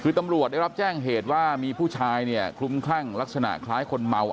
คือตำรวจได้รับแจ้งเหตุว่ามีผู้ชายเนี่ยคลุมคลั่งลักษณะคล้ายคนเมา